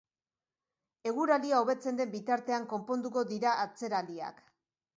Eguraldia hobetzen den bitartean konponduko dira atzeraldiak.